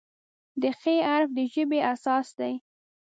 د "خ" حرف د ژبې اساس دی.